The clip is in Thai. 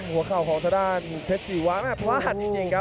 หัวเข้าของทดานเพศสุวะพลาดจริงครับ